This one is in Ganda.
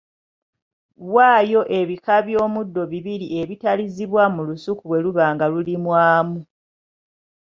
Waayo ebika by’omuddo bibiri ebitalizibwa mu lusuku bwe luba nga lulimwamu.